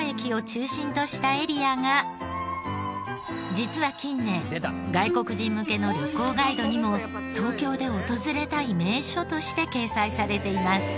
実は近年外国人向けの旅行ガイドにも東京で訪れたい名所として掲載されています。